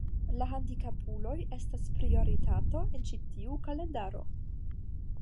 La handikapuloj estas prioritato en ĉi tiu kalendaro.